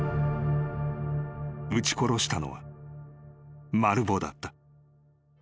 ［撃ち殺したのはマルヴォだった］